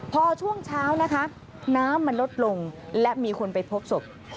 พอช่วงเช้านะคะน้ำมันลดลงและมีคนไปพบศพ